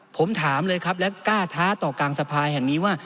ผมถามเลยครับและกล้าท้าต่อกลางสภาแห่งนี้ว่า